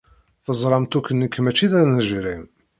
Teẓramt akk nekk maci d anejrim.